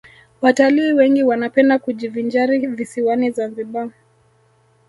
watalii wengi wanapenda kujivinjari visiwani zanzibar